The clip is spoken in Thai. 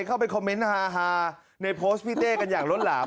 เข้าไปคอมเมนต์ฮาในโพสต์พี่เต้กันอย่างล้นหลาม